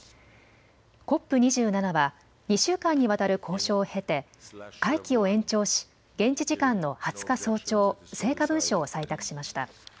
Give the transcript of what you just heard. ＣＯＰ２７は２週間にわたる交渉を経て会期を延長し現地時間の２０日早朝、成果文書を採択しました。